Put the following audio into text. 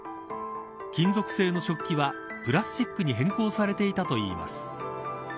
金属製の食器はプラスチックに変更されていたといいます。